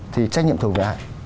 thì trách nhiệm thuộc về ai